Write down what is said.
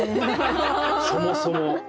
そもそも。